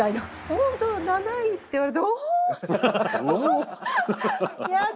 本当７位って言われて「おお！」って。